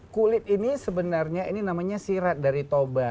kulit ini sebenarnya ini namanya sirat dari toba